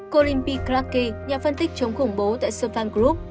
colin p krakke nhà phân tích chống khủng bố tại sovang group